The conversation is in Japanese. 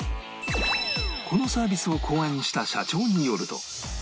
このサービスを考案した社長によると